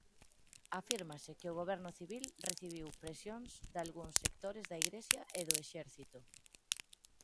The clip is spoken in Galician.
Afírmase que o goberno civil recibiu presións dalgúns sectores da Igrexa e do exército.